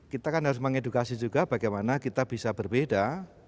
kita kan harus mengedukasi juga bagaimana kita bisa berbeda